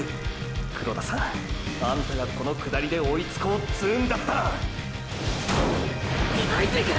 黒田さんあんたがこの下りで追いつこうつうんだったら今泉くん！！